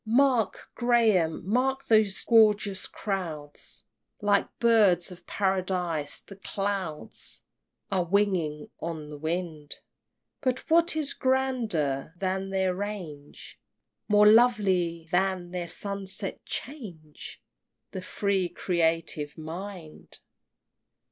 XXXI. Mark, Graham, mark those gorgeous crowds! Like Birds of Paradise the clouds Are winging on the wind! But what is grander than their range? More lovely than their sunset change? The free creative mind!